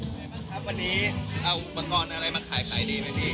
ไหนบ้างครับวันนี้อุปกรณ์อะไรมันขายดีไหม